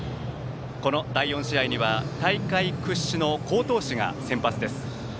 この第４試合には大会屈指の好投手が先発です。